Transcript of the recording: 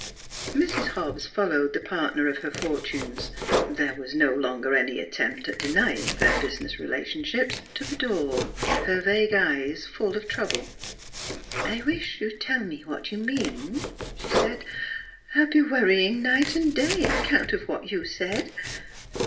" Mrs. Hobbs followed the partner of her for tunes there was no longer any attempt at deny ing their business relations to the door, her vague eyes full of trouble. " I wisht you'd tell me what you mean," she said. " I'll be worryin' night an' day, 'count of what you said.